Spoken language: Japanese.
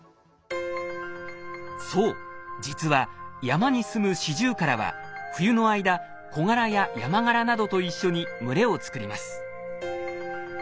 そう実は山にすむシジュウカラは冬の間コガラやヤマガラなどと一緒に群れを作ります。